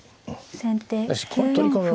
先手９四歩。